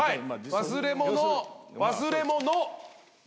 忘れ物忘れ物。